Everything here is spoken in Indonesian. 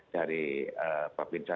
dari pak binza